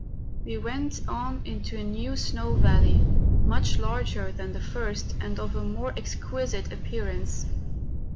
We went on into a new snow valley, much larger than the first, and of a more exquisite appearance.